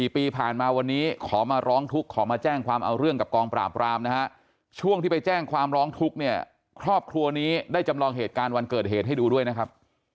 ๔ปีผ่านมาวันนี้ขอมาร้องทุกข์ขอมาแจ้งความเอาเรื่องกับกองปราบรามนะฮะช่วงที่ไปแจ้งความร้องทุกข์เนี่ยครอบครัวนี้ได้จำลองเหตุการณ์วันเกิดเหตุให้ดูด้วยนะครับ